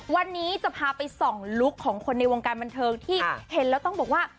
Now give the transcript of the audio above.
วันนี้จะพาไปส่องลุคของคนในวงการบันเทิงที่เห็นแล้วต้องบอกว่า